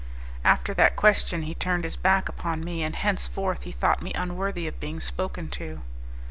After that question he turned his back upon me, and hence forth he thought me unworthy of being spoken to.